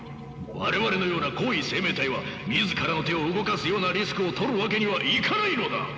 我々のような高位生命体は自らの手を動かすようなリスクをとるわけにはいかないのだ！